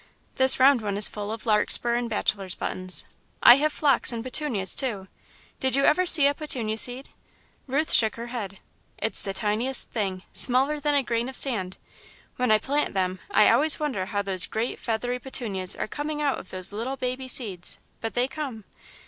This round one is full of larkspur and bachelor's buttons. I have phlox and petunias, too did you ever see a petunia seed?" Ruth shook her head. "It's the tiniest thing, smaller than a grain of sand. When I plant them, I always wonder how those great, feathery petunias are coming out of those little, baby seeds, but they come.